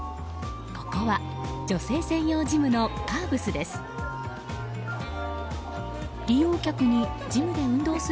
ここは女性専用ジムのカーブスです。